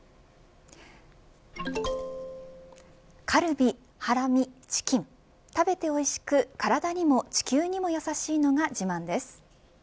カルビ、ハラミ、チキン食べて美味しく体にも地球にも優しいのが自慢です。